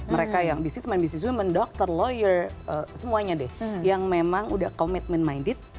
mereka yang businessman businessman doctor lawyer semuanya deh yang memang udah commitment minded